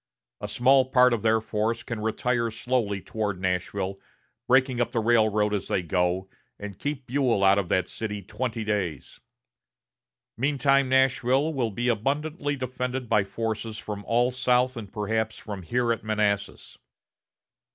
A small part of their force can retire slowly toward Nashville, breaking up the railroad as they go, and keep Buell out of that city twenty days. Meantime, Nashville will be abundantly defended by forces from all south and perhaps from here at Manassas.